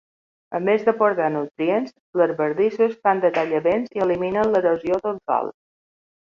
A més d'aportar nutrients, les bardisses fan de tallavents i eliminen l'erosió del sòl.